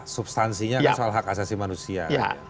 substansinya soal hak asasi manusia